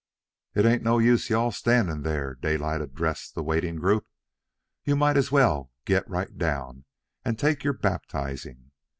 "It ain't no use you all standing there," Daylight addressed the waiting group. "You all might as well get right down and take your baptizing.